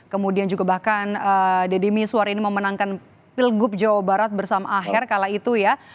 kemudian juga bahkan deddy miswar ini memenangkan pilgub jawa barat bersama aher kala itu ya